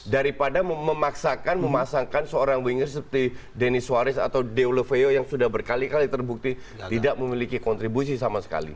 daripada memaksakan memasangkan seorang winger seperti deni suaris atau deoloveyo yang sudah berkali kali terbukti tidak memiliki kontribusi sama sekali